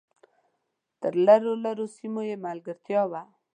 تر لرو لرو سیمو یې ملګرتیا وکړه .